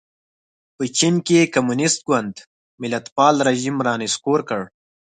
په چین کې کمونېست ګوند ملتپال رژیم را نسکور کړ.